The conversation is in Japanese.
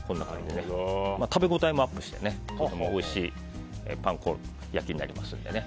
食べ応えもアップしてとてもおいしいパン粉焼きになります。